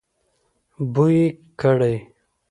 بوی يې کړی.